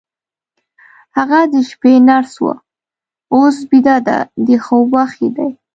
هغه د شپې نرس وه، اوس بیده ده، د خوب وخت یې دی.